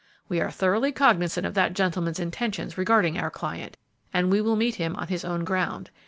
We are thoroughly cognizant of that gentleman's intentions regarding our client, and we will meet him on his own ground.